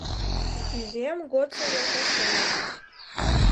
Изиэм годсо йолташемым